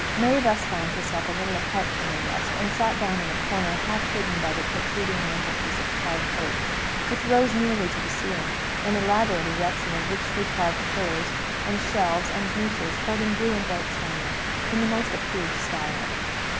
May thus found herself a little apart from the rest, and sat down in a corner half hidden by the protruding mantelpiece of carved oak, which rose nearly to the ceiling; an elaborate erection of richly carved pillars, and shelves and niches holding blue and white china, in the most approved style.